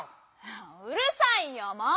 うるさいよもう！